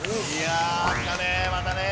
上がったねまたね。